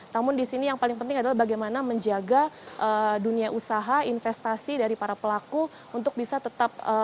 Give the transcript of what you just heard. namun di sini yang paling penting adalah bagaimana menjaga dunia usaha investasi dari para pelaku untuk bisa tetap